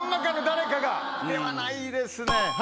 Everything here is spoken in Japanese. この中の誰かが。ではないですね。